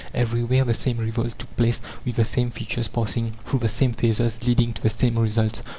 Everywhere the same revolt took place, with the same features, passing through the same phases, leading to the same results.